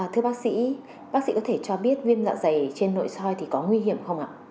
thưa bác sĩ bác sĩ có thể cho biết viêm dạ dày trên nội soi thì có nguy hiểm không ạ